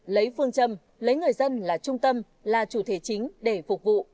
lấy phương châm lấy người dân là trung tâm là chủ thể chính để phục vụ